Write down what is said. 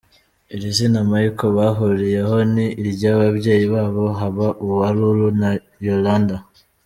Iri zina Michael bahuriyeho ni iry’ababyeyi babo, haba uwa Lulu na Yolanda.